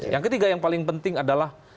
yang ketiga yang paling penting adalah